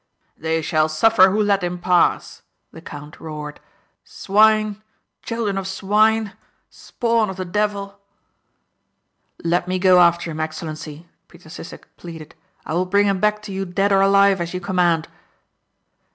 "They shall suffer who let him pass," the count roared, "Swine, children of swine, spawn of the devil." "Let me go after him Excellency," Peter Sissek pleaded. "I will bring him back to you dead or alive as you command."